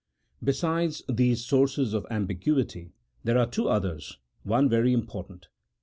Besides these sources of ambiguity there are two others, one very important.